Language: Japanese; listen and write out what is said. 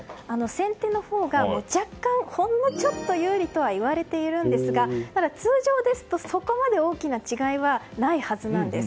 先手のほうが若干、ほんのちょっと有利とはいわれていますが通常ですと、そこまで大きな違いはないはずなんです。